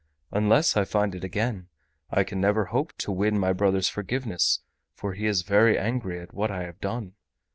Unless I find it again I can never hope to win my brother's forgiveness, for he is very angry at what I have done.